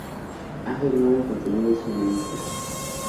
Ha firmado contenidos feministas.